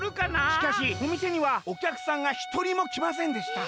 「しかしおみせにはおきゃくさんがひとりもきませんでした」。